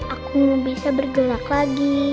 aku bisa bergerak lagi